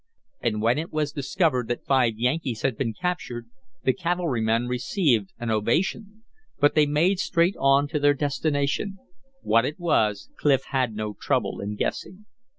And when it was discovered that five Yankees had been captured the cavalrymen received an ovation. But they made straight on to their destination; what it was Clif had no trouble in guessing.